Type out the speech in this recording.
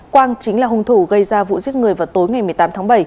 quang chính là hung thủ gây ra vụ giết người vào tối ngày một mươi tám tháng bảy